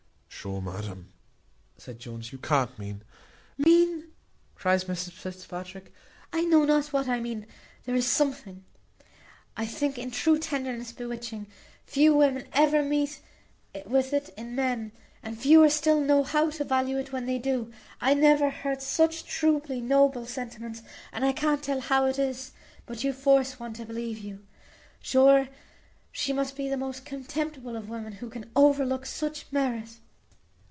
"Sure, madam," said Jones, "you can't mean " "Mean!" cries Mrs Fitzpatrick, "I know not what I mean; there is something, I think, in true tenderness bewitching; few women ever meet with it in men, and fewer still know how to value it when they do. I never heard such truly noble sentiments, and I can't tell how it is, but you force one to believe you. Sure she must be the most contemptible of women who can overlook such merit."